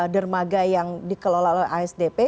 dermaga yang dikelola oleh asdp